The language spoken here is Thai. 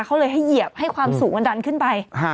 เขาเลยให้เหยียบให้ความสูงมันดันขึ้นไป